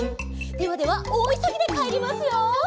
「ではではおおいそぎでかえりますよ」